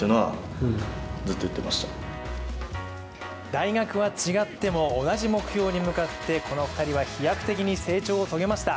大学は違っても同じ目標に向かってこの２人は飛躍的に成長を遂げました。